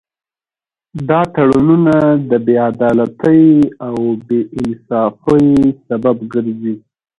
دا تړونونه د بې عدالتۍ او بې انصافۍ سبب ګرځي